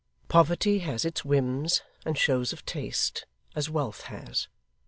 Poverty has its whims and shows of taste, as wealth has.